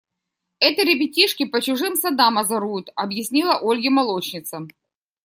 – Это ребятишки по чужим садам озоруют, – объяснила Ольге молочница.